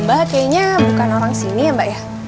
mbak kayaknya bukan orang sini ya mbak ya